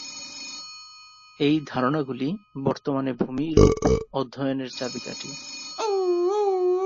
এই ধারণাগুলি বর্তমানে ভূমিরূপ অধ্যয়নের চাবিকাঠি।